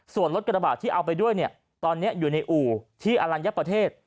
ส่วนรถกระบาดที่เอาไปด้วยเนี่ยตอนนี้อยู่ในอู่ที่อลัญญประเทศ